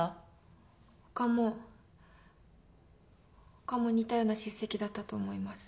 他も似たような叱責だったと思います。